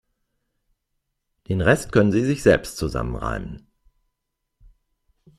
Den Rest können Sie sich selbst zusammenreimen.